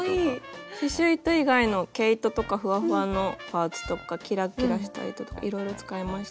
刺しゅう糸以外の毛糸とかふわふわのパーツとかキラキラした糸とかいろいろ使いました。